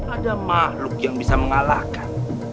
ada makhluk yang bisa mengalahkan